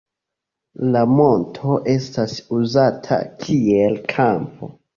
La monto estas uzata kiel kampo.